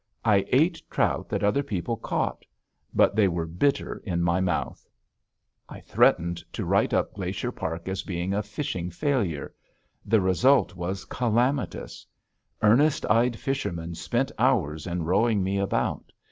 I ate trout that other people caught. But they were bitter in my mouth. I threatened to write up Glacier Park as being a fishing failure. The result was calamitous. Earnest eyed fishermen spent hours in rowing me about.